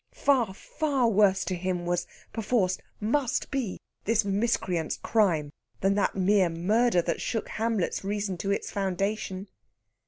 Far, far worse to him was perforce must be this miscreant's crime than that mere murder that shook Hamlet's reason to its foundation.